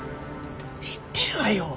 知ってるわよ。